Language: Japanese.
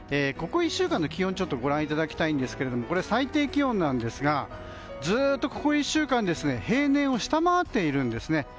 ここ１週間の気温をご覧いただきますが最低気温なんですがずっと、ここ１週間平年を下回っているんですね。